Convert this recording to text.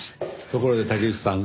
ところで竹内さん。